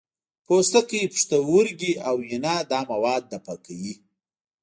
پوستکی، پښتورګي او ینه دا مواد دفع کوي.